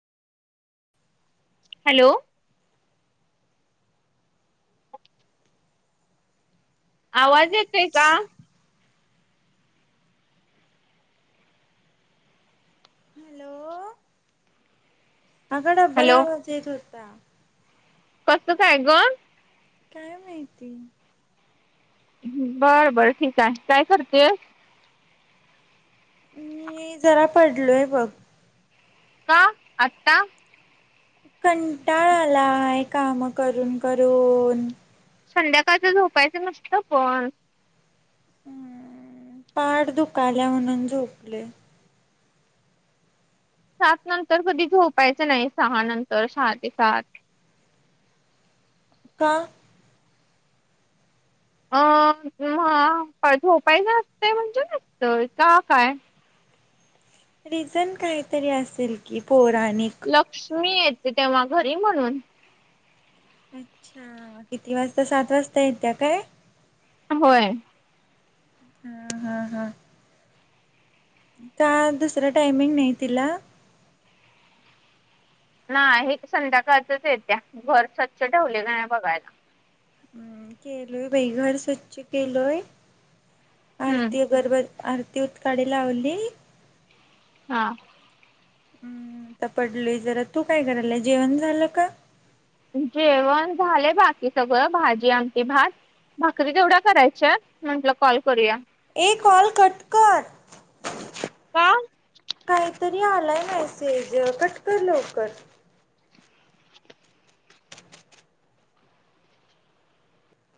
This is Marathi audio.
हॅलो. आवाज येतोय का? हॅलो अगं डब्बल हॅलो आवाज येत होता. [unintelligible] काय माहिती बरं बरं ठीक आहे काय करतेय? मी जरा पडलोय बघ. का आत्ता? कंटाळा आलाय काम करून करून. संध्याकाळचं झोपायचं नसतं पण. हम्म पाड दुखाल्या म्हणून झोपले. सात नंतर कधी झोपायचं नाही सहा नंतर सहा ते सात. का [unintelligible] काय झोपायचं असतं म्हणजे [unintelligible] का काय? रिझन काहीतरी असेल की पौराणिक. लक्ष्मी येते तेव्हा घरी म्हणून. अच्छा किती वाजता सात वाजता येत्या काय? होय. हा हा हा. चा दुसरा टायमिंग नाही तिला? नाये हेच संध्याकाळातच येत्या घर स्वच्छ ठेवले का नाय बघायला. हम्म केलोय बाई घर स्वच्छ केलोय हम्म आरती अगरब आरती उत काडी लावली. हा. हम्म आता पडलोय जरा तू काय करायलाय जेवण झालं का? जेवण झालेय बाकी सगळं भाजी, आमटी, भात भाकरी तेवढ्या करायच्या म्हंटलं कॉल करूया. एक कॉल कट कर का काहीत आलाय मेसेज कट कर लवकर.